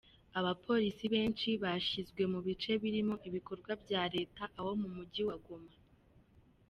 Abapolisi benshi bashyizwe mu bice birimo ibikorwa bya Leta aho mu mugi wa Goma.